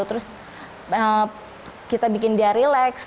terus kita bikin dia relax